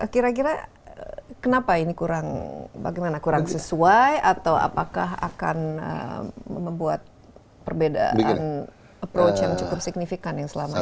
kira kira kenapa ini kurang sesuai atau apakah akan membuat perbedaan approach yang cukup signifikan yang selama ini